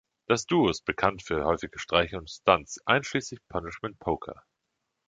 Das Duo ist bekannt für häufige Streiche und Stunts, einschließlich Punishment Poker.